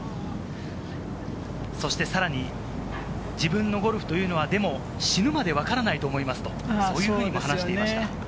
そしてさらに自分のゴルフというのは、でも、死ぬまでわからないと思いますと、そういうふうにも話していました。